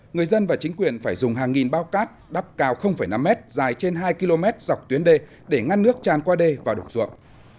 người dân và chính quyền phải dùng hàng nghìn bao cát đắp cao năm mét dài trên hai km dọc tuyến đê để ngăn nước tràn qua đê và đồng ruộng